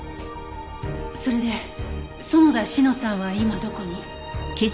それで園田志乃さんは今どこに？